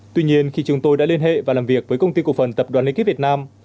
tuy nhiên khi chúng tôi đã liên hệ và làm việc với công ty cục phần tập đoàn lý kết việt nam